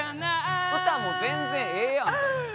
歌も全然ええやん！